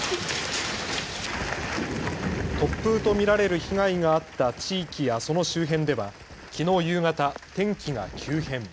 突風と見られる被害があった地域やその周辺ではきのう夕方、天気が急変。